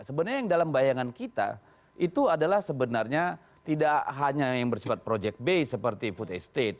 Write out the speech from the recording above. sebenarnya yang dalam bayangan kita itu adalah sebenarnya tidak hanya yang bersifat project base seperti food estate